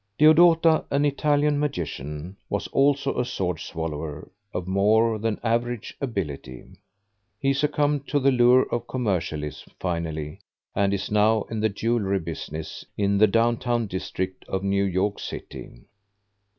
Deodota, an Italian Magician, was also a sword swallower of more than average ability. He succumbed to the lure of commercialism finally, and is now in the jewelry business in the "down town district" of New York City.